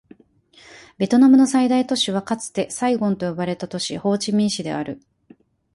ベトナムの最大都市はかつてサイゴンと呼ばれた都市、ホーチミン市である